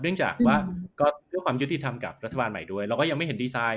เนื่องจากว่าก็เพื่อความยุติธรรมกับรัฐบาลใหม่ด้วยเราก็ยังไม่เห็นดีไซน